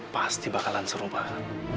pasti bakalan serubah